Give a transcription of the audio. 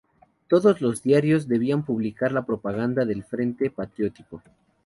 Todos los diarios debían publicar la propaganda del Frente Patriótico.